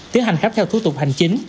tiến hành khắp theo thủ tục hành chính